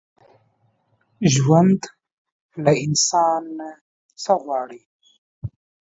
ژوند له انسان نه څه غواړي؟